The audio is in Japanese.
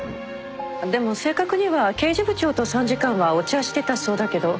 でも正確には刑事部長と参事官はお茶してたそうだけど。